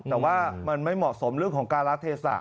แต่ว่ามันไม่เหมาะสมเรื่องของการละเทศะ